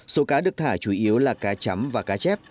số cá được thả chủ yếu là cá chấm và cá chép